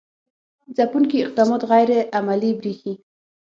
ځپونکي اقدامات غیر عملي برېښي.